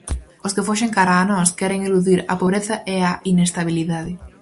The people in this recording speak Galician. Os que foxen cara a nós queren eludir a pobreza e a inestabilidade.